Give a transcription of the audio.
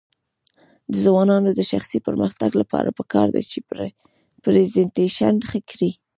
د ځوانانو د شخصي پرمختګ لپاره پکار ده چې پریزنټیشن ښه کړي.